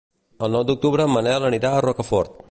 El nou d'octubre en Manel anirà a Rocafort.